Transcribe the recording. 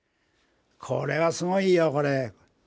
これはすごいよこれ。